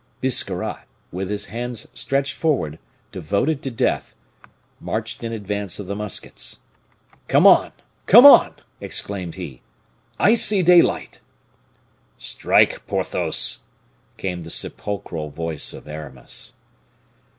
Biscarrat, with his hands stretched forward, devoted to death, marched in advance of the muskets. "Come on! come on!" exclaimed he, "I see daylight!" "Strike, Porthos!" cried the sepulchral voice of Aramis.